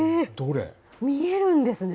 見えるんですね。